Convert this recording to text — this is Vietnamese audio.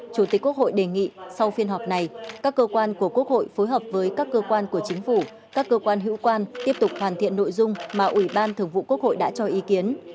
chủ tịch quốc hội đề nghị sau phiên họp này các cơ quan của quốc hội phối hợp với các cơ quan của chính phủ các cơ quan hữu quan tiếp tục hoàn thiện nội dung mà ủy ban thường vụ quốc hội đã cho ý kiến